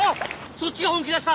そっちが本気出した！